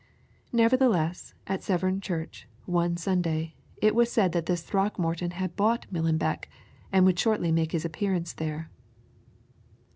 Nevertheless, at Severn church, one Sunday, it was said that this Throckmorton had bought Millenbeck, and would shortly make his appearance there.